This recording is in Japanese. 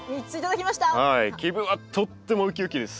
気分はとってもウキウキです！